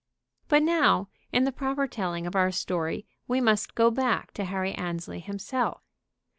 But now, in the proper telling of our story, we must go back to Harry Annesley himself.